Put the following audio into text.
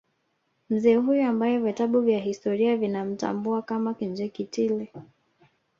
Mzee huyu ambaye vitabu vya historia vinamtambua kama Kinjekitile